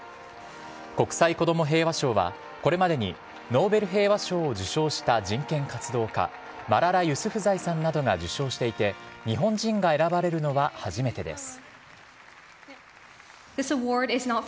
国際子ども平和賞は、これまでにノーベル平和賞を受賞した人権活動家、マララ・ユスフザイさんなどが受賞していて、日本人が選ばれるのは初めてです。